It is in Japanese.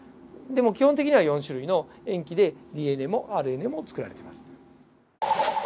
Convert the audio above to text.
でも基本的には４種類の塩基でＤＮＡもＲＮＡも作られてます。